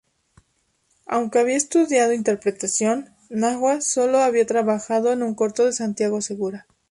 Aunque había estudiado interpretación, Najwa sólo había trabajado en un corto de Santiago Segura.